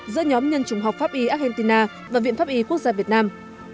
giữa nhóm nhân trùng học pháp y argentina và viện pháp y quốc gia việt nam